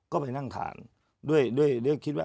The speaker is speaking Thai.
ก็ไปนั่งทานด้วยคิดว่า